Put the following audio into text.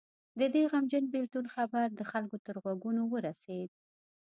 د دې غمجن بېلتون خبر د خلکو تر غوږونو ورسېد.